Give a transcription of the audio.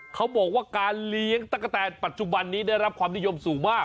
เขาบอกว่าการเลี้ยงตะกะแตนปัจจุบันนี้ได้รับความนิยมสูงมาก